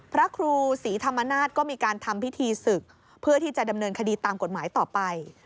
พระครูศรีธรรมนาฏก็มีการทำพิธีศึกเพื่อที่จะดำเนินคดีตามกฎหมายต่อไป